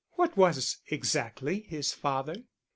"What was exactly his father?"